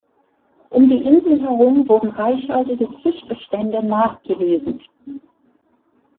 Um die Insel herum wurden reichhaltige Fischbestände nachgewiesen.